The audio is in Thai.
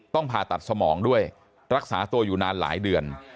ผ่าตัดสมองด้วยรักษาตัวอยู่นานหลายเดือน